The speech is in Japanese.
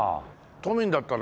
都民だったらね